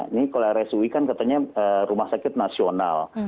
ini kalau rsui kan katanya rumah sakit nasional